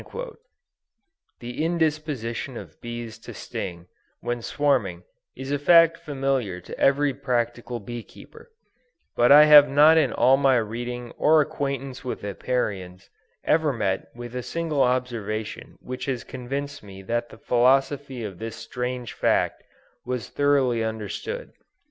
The indisposition of bees to sting, when swarming, is a fact familiar to every practical bee keeper: but I have not in all my reading or acquaintance with Apiarians, ever met with a single observation which has convinced me that the philosophy of this strange fact was thoroughly understood.